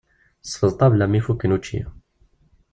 Tesfeḍ ṭabla mi fukken učči.